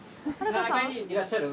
７階にいらっしゃる？